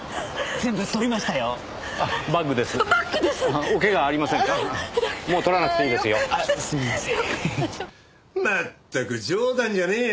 全く冗談じゃねえや。